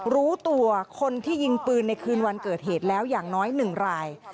รู้ตัวคนที่ยิงปืนในคืนวันเกิดเหตุแล้วอย่างน้อย๑ราย